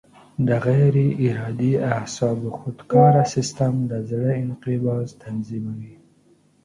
د غیر ارادي اعصابو خودکاره سیستم د زړه انقباض تنظیموي.